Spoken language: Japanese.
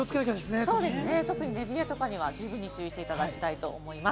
特に寝冷えとかには十分注意していただきたいと思います。